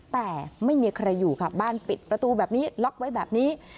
แต่ไม่มีใครอยู่ค่ะบ้านปิดประตูแบบนี้ล็อกไว้แบบนี้